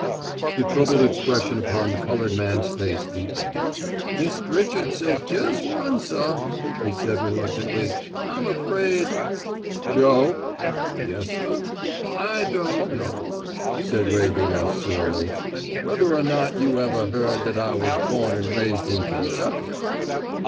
The troubled expression upon the coloured man's face deepened. "Mist' Richard say jes' one, suh," he said reluctantly. "I'm afraid " "Joe." "Yessuh." "I don't know," said Ray Vilas slowly, "whether or not you ever heard that I was born and raised in Kentucky."